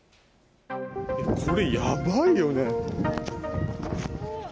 これやばいよね。